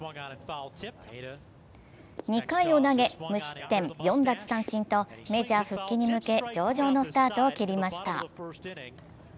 ２回を投げ無失点、４奪三振とメジャー復帰に向け上々のスタートを切りました。